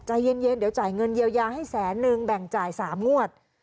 ใจเย็นเดี๋ยวจ่ายเงินเยียวยาให้แสนนึงแบ่งจ่าย๓งวด